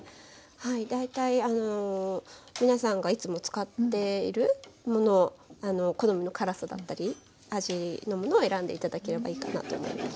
だいたい皆さんがいつも使っているもの好みの辛さだったり味のものを選んでいただければいいかなと思います。